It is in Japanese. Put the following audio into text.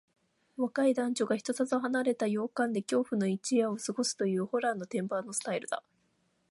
若い男女が人里離れた洋館で恐怖の一夜を過ごすという、ホラーの定番スタイルだ。